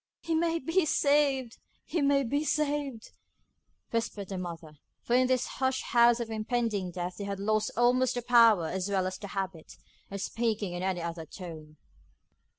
'He may be saved! he may be saved,' whispered the mother; for in this hushed house of impending death they had lost almost the power as well as the habit, of speaking in any other tone.